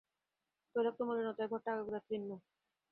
তৈলাক্ত মলিনতায় ঘরটা আগাগোড়া ক্লিন্ন।